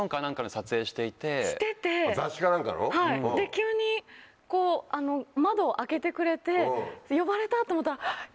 急に窓を開けてくれて呼ばれた！と思ったら。